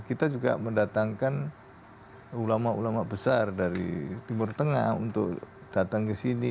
kita juga mendatangkan ulama ulama besar dari timur tengah untuk datang ke sini